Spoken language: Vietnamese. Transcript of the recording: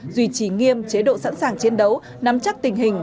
duy trì nghiêm chế độ sẵn sàng chiến đấu nắm chắc tình hình